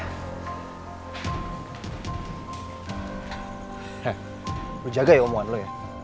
eh lu jaga ya omohan lu ya